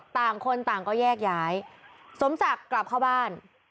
ต่างคนต่างก็แยกย้ายสมศักดิ์กลับเข้าบ้าน